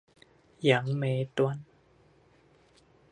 楊梅端